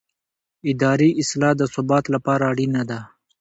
اداري اصلاح د ثبات لپاره اړینه ده